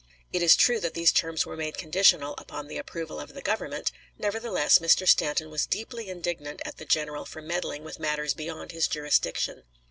It is true that these terms were made conditional upon the approval of the Government; nevertheless, Mr. Stanton was deeply indignant at the general for meddling with matters beyond his jurisdiction.